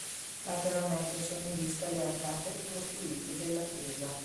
Lateralmente sono in vista le arcate ricostruite della chiesa.